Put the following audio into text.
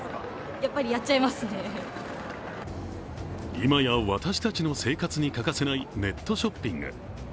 今や、私たちの生活に欠かせないネットショッピング。